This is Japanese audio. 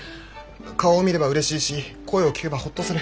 顔を見ればうれしいし声を聞けばホッとする。